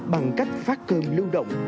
bằng cách phát cơm lao động